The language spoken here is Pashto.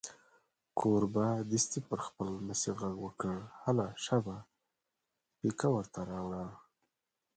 کوربه دستي پر خپل لمسي غږ وکړ: هله شابه پیکه ور ته راوړه.